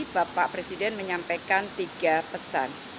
bapak presiden menyampaikan tiga pesan